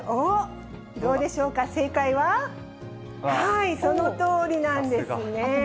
どうでしょうか、正解はそのとおりなんですね。